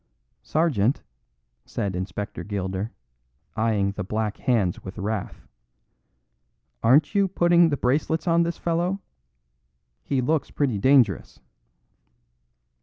"Sergeant," said Inspector Gilder, eyeing the black hands with wrath, "aren't you putting the bracelets on this fellow; he looks pretty dangerous."